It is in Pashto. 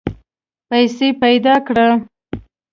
پیسې پیدا کړه.